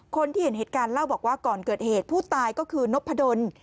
คนที่เห็นเหตุการณ์เล่าบอกว่าก่อนเกิดเหตุผู้ตายก็คือนพดล